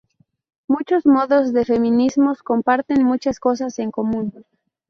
Estos modos de feminismos comparten muchas cosas en común.